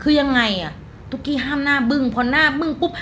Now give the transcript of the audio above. คือยังไงอ่ะตุ๊กกี้ห้ามหน้าบึ้งพอหน้าบึ้งปุ๊บ